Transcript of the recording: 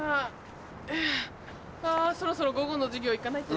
あそろそろ午後の授業行かないとな。